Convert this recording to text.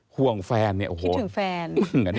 หวงแฟนโห้ถึงแฟน